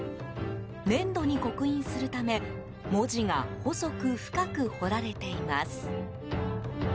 粘土に刻印するため文字が細く深く彫られています。